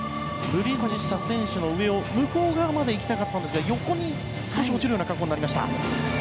選手の上向こう側まで行きたかったんですが横に少し落ちるような格好になりました。